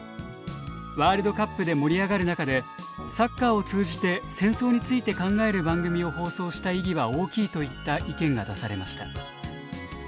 「ワールドカップで盛り上がる中でサッカーを通じて戦争について考える番組を放送した意義は大きい」といった意見が出されました。